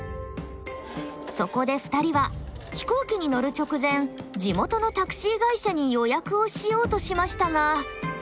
そこで２人は飛行機に乗る直前地元のタクシー会社に予約をしようとしましたが。